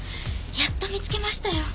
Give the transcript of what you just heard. やっと見つけましたよ。